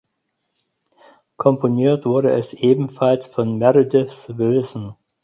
Komponiert wurde es ebenfalls von Meredith Willson.